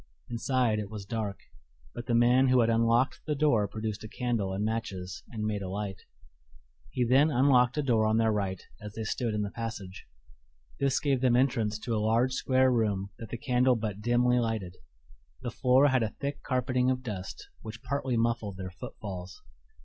Inside it was dark, but the man who had unlocked the door produced a candle and matches and made a light. He then unlocked a door on their right as they stood in the passage. This gave them entrance to a large, square room that the candle but dimly lighted. The floor had a thick carpeting of dust, which partly muffled their footfalls.